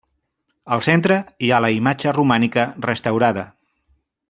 Al centre hi ha la imatge romànica restaurada.